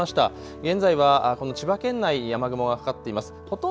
現在は千葉県内、雨雲がかかっています。